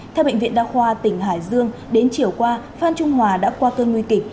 theo bệnh viện đa khoa tỉnh hải dương đến chiều qua phan trung hòa đã qua cơn nguy kịch